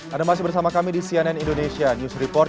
anda masih bersama kami di cnn indonesia news report